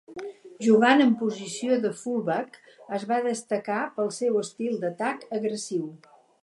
Jugant en posició de fullback, es va destacar pel seu estil d'atac agressiu.